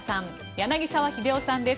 柳澤秀夫さんです。